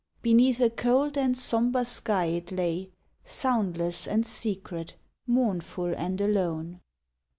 Beneath a cold and somber sky it lay, Soundless and secret, mournful and alone.